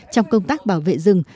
trong công tác bảo vệ rừng